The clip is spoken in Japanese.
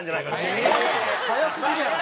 早すぎるやろ！